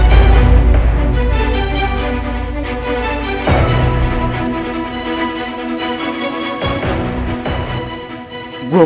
lo mau kemana